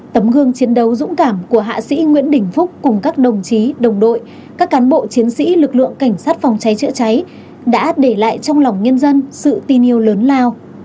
tấm gương chiến đấu dũng cảm của hạ sĩ nguyễn đình phúc cùng các đồng chí đồng đội các cán bộ chiến sĩ lực lượng cảnh sát phòng cháy chữa cháy đã để lại trong lòng nhân dân sự tin yêu lớn lao